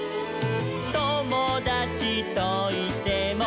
「ともだちといても」